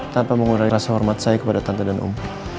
tanpa mengurangi rasa hormat saya kepada tante dan um